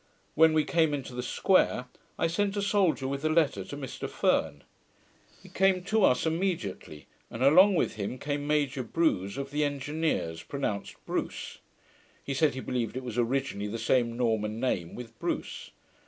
When we came into the square, I sent a soldier with the letter to Mr Ferne. He came to us immediately, and along with him came Major Brewse of the Engineers, pronounced BRUCE. He said he believed it was originally the same Norman name with Bruce.